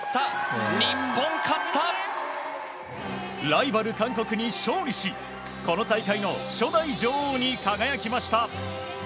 ライバル韓国に勝利しこの大会の初代女王に輝きました。